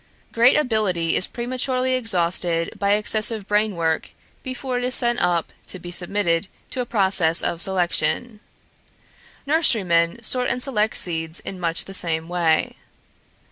Great ability is prematurely exhausted by excessive brain work before it is sent up to be submitted to a process of selection. Nurserymen sort and select seeds in much the same way.